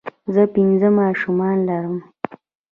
زۀ پنځه ماشومان لرم